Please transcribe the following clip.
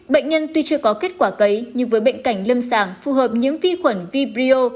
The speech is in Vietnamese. bệnh nhân tuy chưa có kết quả cấy nhưng với bệnh cảnh lâm sàng phù hợp nhiễm vi khuẩn vibrio